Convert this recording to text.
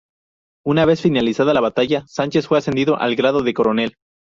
Una vez finalizada la batalla, Sánchez fue ascendido al grado de coronel.